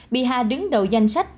bihar đứng đầu danh sách